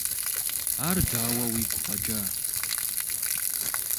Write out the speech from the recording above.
Ар дауэ уигу къэкӀа?